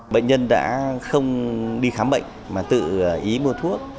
bệnh nhân đã không đi khám bệnh mà tự ý mua thuốc